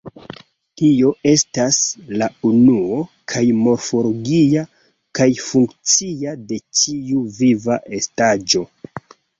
Tio estas, la unuo kaj morfologia kaj funkcia de ĉiu viva estaĵo.